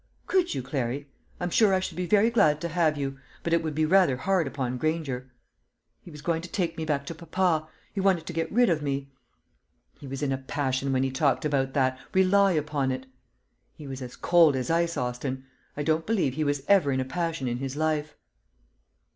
"Could you, Clary? I'm sure I should be very glad to have you; but it would be rather hard upon Granger." "He was going to take me back to papa; he wanted to get rid of me." "He was in a passion when he talked about that, rely upon it." "He was as cold as ice, Austin. I don't believe he was ever in a passion in his life."